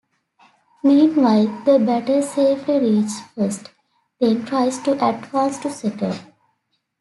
Meanwhile, the batter safely reaches first, then tries to advance to second.